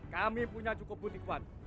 kami punya cukup bukti kuat